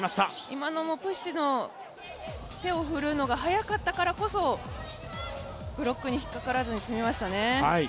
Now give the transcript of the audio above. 今のもプッシュの手を振るのが速かったからこそブロックに引っ掛からずに済みましたね。